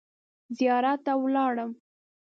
زیارت ته ولاړم.